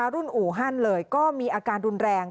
อู่ฮั่นเลยก็มีอาการรุนแรง